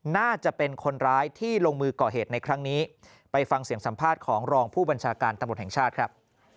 น่าจะเป็นคนร้ายที่ลงมือก่อเหตุในครั้งนี้ไปฟังเสียงสัมภาษณ์ของรองผู้บัญชาการตำรวจแห่งชาติครับ